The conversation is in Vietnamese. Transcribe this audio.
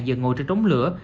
giờ ngồi trên trống lửa